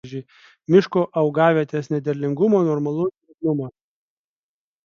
Miško augavietės nederlingos normalaus drėgnumo.